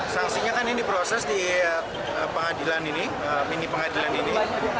sanksinya kan ini diproses di pengadilan ini mini pengadilan ini